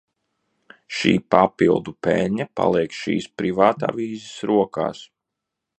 Šī papildu peļņa paliek šīs privātavīzes rokās.